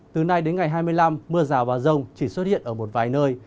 từ nay đến ngày hai mươi năm mưa rào và rông chỉ xuất hiện ở một vài nơi